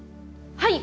はい。